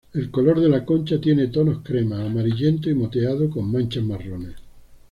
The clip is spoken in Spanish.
El color de la concha tiene tonos crema, amarillento y moteado con manchas marrones.